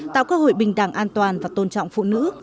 tạo cơ hội bình đẳng an toàn và tôn trọng phụ nữ